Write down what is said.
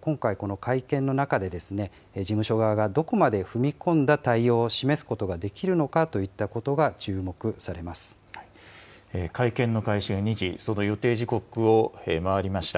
今回、この会見の中で、事務所側がどこまで踏み込んだ対応を示すことができるのかといったことが会見の開始が２時、その予定時刻を回りました。